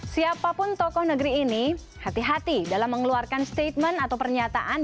siapapun tokoh negeri ini hati hati dalam mengeluarkan statement atau pernyataan